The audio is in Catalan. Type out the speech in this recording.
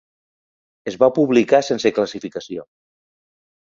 Es va publicar sense classificació.